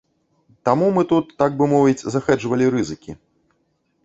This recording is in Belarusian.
Таму мы тут, так бы мовіць, захэджавалі рызыкі.